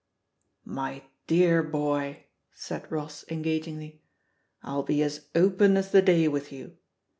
"My dear boy," said Ross engagingly, "I'll be as open as the day with you.